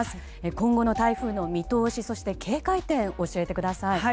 今後の台風の見通しそして警戒点を教えてください。